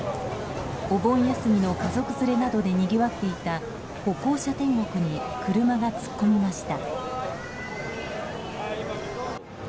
お盆休みの家族連れなどでにぎわっていた歩行者天国に車が突っ込みました。